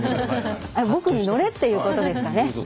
僕に乗れってことですかね。